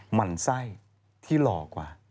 หมั่นไส้ที่หล่อกว่า